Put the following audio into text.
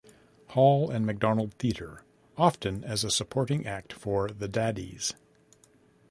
Hall and McDonald Theatre, often as a supporting act for the Daddies.